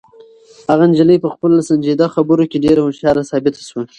هغه نجلۍ په خپلو سنجیده خبرو کې ډېره هوښیاره ثابته شوه.